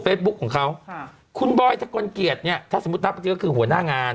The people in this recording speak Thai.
บุ๊คของเขาค่ะคุณบอยทะกลเกียจเนี่ยถ้าสมมุตินับเมื่อกี้ก็คือหัวหน้างาน